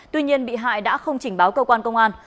tuy nhiên bị hại đã không trình báo cơ quan công an